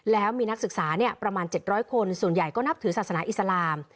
แล้วมีนักศึกษาประมาณ๗๐๐คนส่วนใหญ่ก็นับถือศาสนาอิสลาม